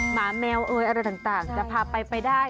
หมาแมวอะไรต่างจะพาไปได้